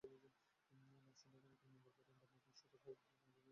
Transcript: লাশ তিনটি আগামীকাল মঙ্গলবার বান্দরবান সদর হাসপাতালের মর্গে ময়নাতদন্তের জন্য পাঠানো হবে।